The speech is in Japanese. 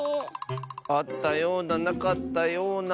あったようななかったような。